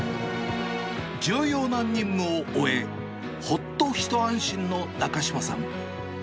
重要な任務を終え、ほっとひと安心の中島さん。